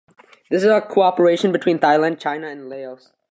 This is a cooperation between Thailand, China and Laos.